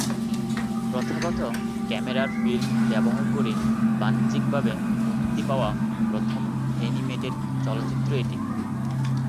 প্রথাগত ক্যামেরার ফিল্ম ব্যবহার করে বাণিজ্যিকভাবে মুক্তি পাওয়া প্রথম অ্যানিমেটেড চলচ্চিত্র এটি।